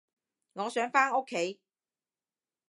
我想返屋企